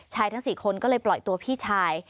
ทั้ง๔คนก็เลยปล่อยตัวพี่ชาย